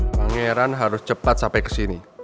pangeran harus cepat sampai ke sini